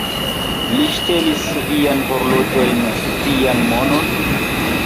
Li ŝtelis viajn horloĝojn, vian monon?